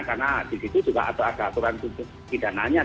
karena di situ ada aturan pidana